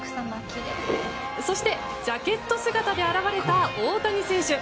そして、ジャケット姿で現れた大谷選手。